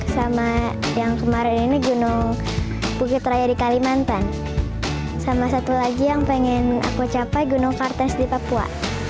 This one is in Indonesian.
sama yang kemarin ini gunung bukit raya di kalimantan sama satu lagi yang pengen aku capai gunung kartes di papua